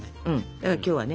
だから今日はね